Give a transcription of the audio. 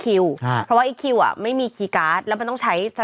เพราะว่าอีกคิวอ่ะไม่มีคีย์การ์ดแล้วมันต้องใช้